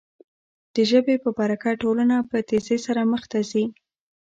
د ژبې په برکت ټولنه په تېزۍ سره مخ ته ځي.